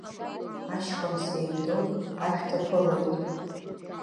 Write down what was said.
Ашьхыц еимдоит, ашәҭ аԥылоит.